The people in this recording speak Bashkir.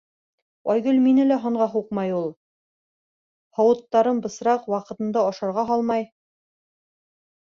Айгөл мине лә һанға һуҡмай ул. һауыттарым бысраҡ, ваҡытында ашарға һалмай.